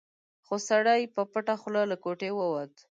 خو سړی په پټه خوله له کوټې ووت.